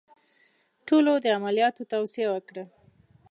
ټولو د عملیات توصیه وکړه.